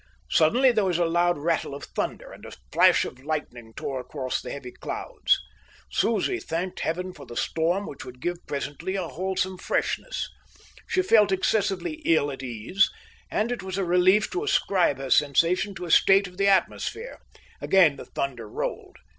Suddenly there was a loud rattle of thunder, and a flash of lightning tore across the heavy clouds. Susie thanked Heaven for the storm which would give presently a welcome freshness. She felt excessively ill at ease, and it was a relief to ascribe her sensation to a state of the atmosphere. Again the thunder rolled.